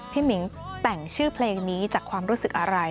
มิงแต่งชื่อเพลงนี้จากความรู้สึกอะไร